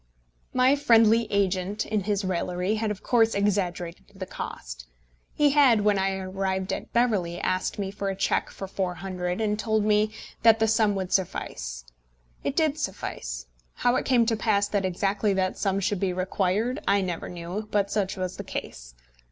My friendly agent in his raillery had of course exaggerated the cost. He had, when I arrived at Beverley, asked me for a cheque for £400, and told me that that sum would suffice. It did suffice. How it came to pass that exactly that sum should be required I never knew, but such was the case.